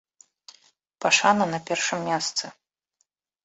Пашана на першым месцы.